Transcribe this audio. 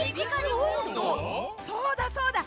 そうだそうだ。